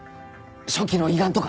初期の胃がんとか。